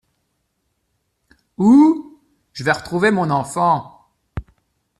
Où ? Je vais retrouver mon enfant.